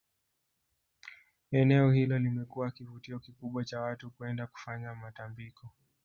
Eneo hilo limekuwa kivutio kikubwa cha watu kwenda kufanya matambiko